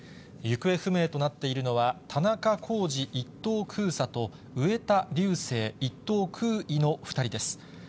行方不明となっているのは、田中公司１等空佐と植田竜生１等空尉の２人です。